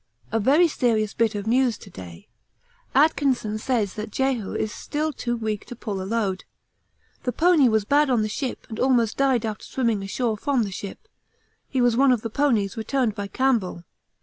A very serious bit of news to day. Atkinson says that Jehu is still too weak to pull a load. The pony was bad on the ship and almost died after swimming ashore from the ship he was one of the ponies returned by Campbell.